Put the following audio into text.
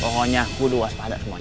pokoknya aku luas pada semua ini